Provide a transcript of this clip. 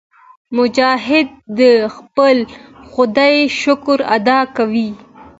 مجاهد د خپل خدای شکر ادا کوي.